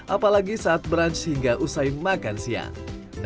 apalagi saat brunch hingga usai makan siang